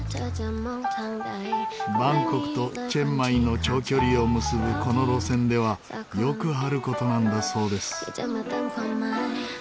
バンコクとチェンマイの長距離を結ぶこの路線ではよくある事なんだそうです。